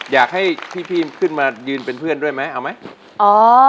อยากให้พี่ขึ้นมายืนเป็นเพื่อนด้วยไหมเอาไหม